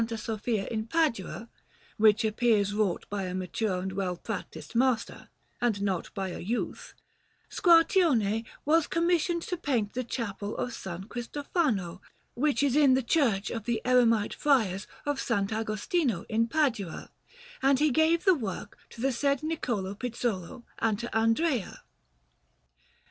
Sofia in Padua, which appears wrought by a mature and well practised master, and not by a youth, Squarcione was commissioned to paint the Chapel of S. Cristofano, which is in the Church of the Eremite Friars of S. Agostino in Padua; and he gave the work to the said Niccolò Pizzolo and to Andrea.